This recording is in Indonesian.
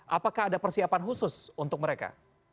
apakah ada persiapan khusus untuk mereka